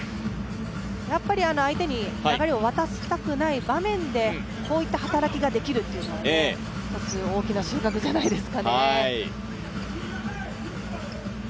やっぱり相手に流れを渡したくない場面でこういった働きができるっていうのは一つ大きな収穫じゃないですかね。